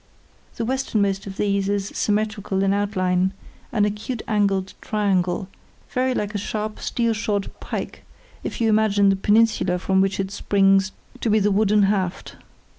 The westernmost of these is symmetrical in outline, an acute angled triangle, very like a sharp steel shod pike, if you imagine the peninsula from which it springs to be the wooden haft.